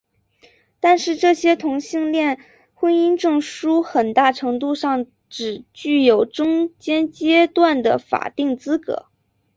但是这些同性恋婚姻证书很大程度上是只具有中间阶段的法定资格。